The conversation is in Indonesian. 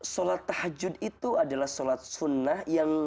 suatah hajut itu adalah suatah sunnah